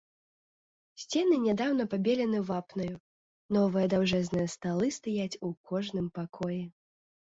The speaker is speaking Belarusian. Сцены нядаўна пабелены вапнаю, новыя даўжэзныя сталы стаяць у кожным пакоі.